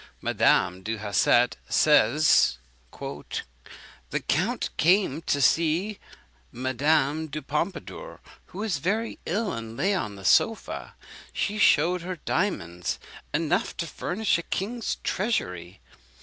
Madame du Hausset says: "The count came to see Madame du Pompadour, who was very ill, and lay on the sofa. He shewed her diamonds enough to furnish a king's treasury.